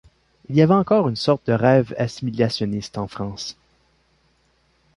Il y avait encore une sorte de rêve assimilationniste en France.